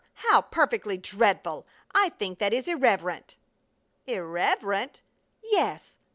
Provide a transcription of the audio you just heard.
_ How perfectly dreadful! I think that is irreverent!" "Irreverent?" "Yes!